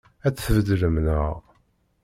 Ad tt-tbeddlem, naɣ?